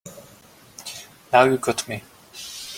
Now you got me.